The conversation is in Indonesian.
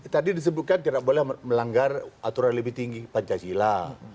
tadi disebutkan tidak boleh melanggar aturan lebih tinggi pancasila